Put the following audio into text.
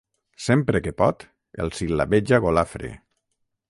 Sempre que pot els sil·labeja golafre.